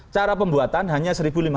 cara pembuatan hanya seribu lima ratus